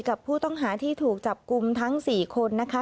กับผู้ต้องหาที่ถูกจับกลุ่มทั้ง๔คนนะคะ